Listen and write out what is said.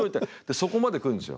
そこまで来るんですよ。